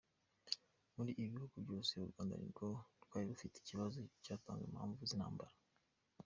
Muri ibi bihugu byose Urwanda nirwo rwari rufite ikibazo cyatanga impamvu y’intambara.